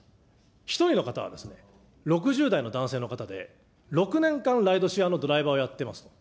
一人の方は６０代の男性の方で、６年間ライドシェアのドライバーをやってますと。